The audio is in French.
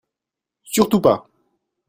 Surtout pas !